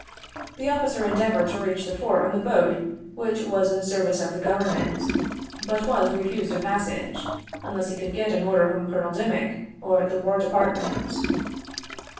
The officer endeavored to reach the fort on the boat which was in the service of the Government, but was refused a passage, unless he could get an order from Colo nel Dimick, or the War Department.